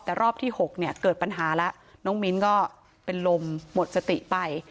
แต่รอบที่๖เนี่ยเกิดปัญหาแล้วน้องมิ้นก็เป็นลมหมดสติไป